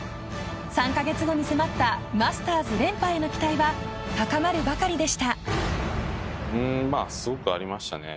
３カ月後に迫ったマスターズ連覇への期待は高まるばかりでした。